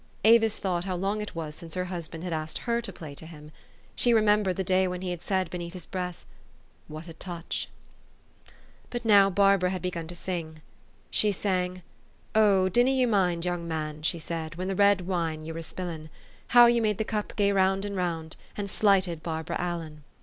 Avis thought how long it was since her husband had asked her to play to him. She remembered the day when he said beneath his breath, " What a touch !" But now Barbara had begun to sing. She sang, " Oh ! dinna ye mind, young man, she said, When the red wine ye were spillin', How ye made the cup gae round and round, An slighted Barbara Allen